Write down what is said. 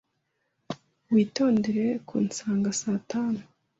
Witondere kunsanga saa tanu.